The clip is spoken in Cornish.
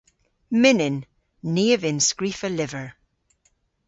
Mynnyn. Ni a vynn skrifa lyver.